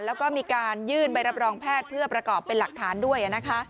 แล้วก็มีการยื่นใบรับรองแพทย์เพื่อประกอบเป็นหลักฐานด้วยนะคะ